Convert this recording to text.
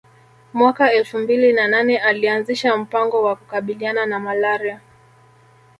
Mwaka elfu mbili na nane alianzisha mpango wa kukabiliana na Malaria